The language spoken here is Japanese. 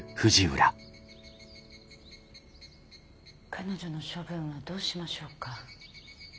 彼女の処分はどうしましょうか。